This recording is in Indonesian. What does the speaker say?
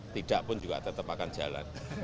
tidakpun juga tetep akan jalan